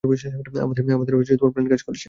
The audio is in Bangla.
আমাদের প্ল্যান কাজ করেছে!